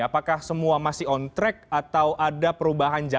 apakah semua masih on track atau ada perubahan jadwal